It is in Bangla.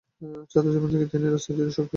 ছাত্রজীবন থেকেই তিনি রাজনীতিতে সক্রিয় ছিলেন।